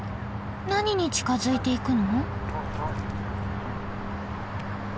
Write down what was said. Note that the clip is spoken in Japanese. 何に近づいていくの？